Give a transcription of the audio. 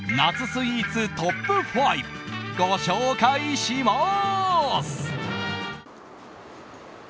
スイーツトップ５ご紹介します。